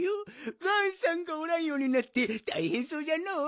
ガンさんがおらんようになってたいへんそうじゃのう？